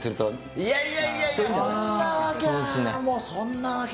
いやいやいや、そんなわけは。